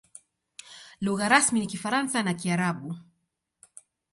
Lugha rasmi ni Kifaransa na Kiarabu.